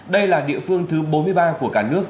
đây là địa phương thứ bốn mươi ba của cả nước